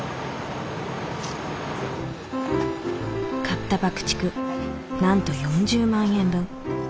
買った爆竹なんと４０万円分。